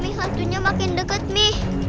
mi hantunya makin deket mi